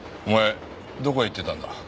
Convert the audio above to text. お前どこへ行ってたんだ？